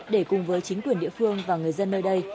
để cùng với chính quyền địa phương và người dân nơi đây